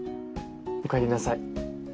おかえりなさい。